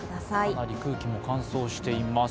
かなり空気も乾燥しています。